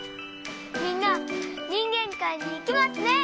みんなにんげんかいにいけますね！